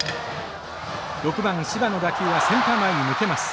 ６番柴の打球はセンター前に抜けます。